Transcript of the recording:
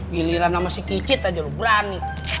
giliran sama si kicit aja lu berani